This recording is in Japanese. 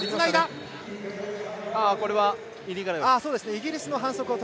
イギリスの反則。